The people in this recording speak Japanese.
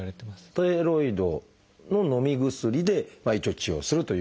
ステロイドののみ薬で一応治療するということですね？